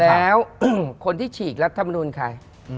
แล้วคนที่ฉีกรัฐมนุนใคร